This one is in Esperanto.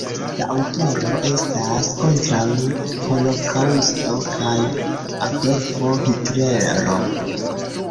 La aŭtoro estas kontraŭ holokaŭsto kaj Adolfo Hitlero.